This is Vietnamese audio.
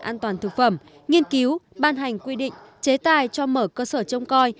an toàn thực phẩm nghiên cứu ban hành quy định chế tài cho mở cơ sở trông coi